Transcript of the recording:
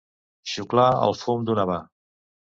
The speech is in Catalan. Xuclar el fum d'un havà.